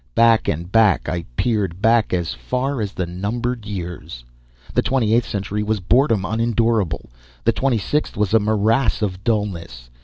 Back and back I peered, back as far as the Numbered Years. The Twenty Eighth Century was boredom unendurable, the Twenty Sixth a morass of dullness.